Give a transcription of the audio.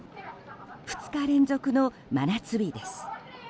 ２日連続の真夏日です。